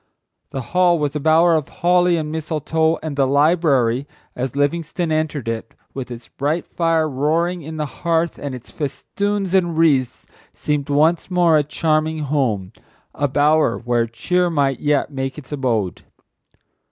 The hall was a bower of holly and mistletoe, and the library, as Livingstone entered it, with its bright fire roaring in the hearth and its festoons and wreaths, seemed once more a charming home: a bower where cheer might yet make its abode.